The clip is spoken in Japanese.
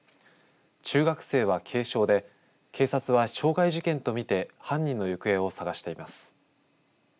中学生は軽傷で警察は傷害事件と見て犯人の行方を捜しています。